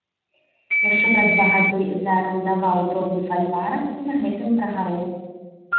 Яшчэ праз два гады заарандаваў дробны фальварак і на гэтым прагарэў.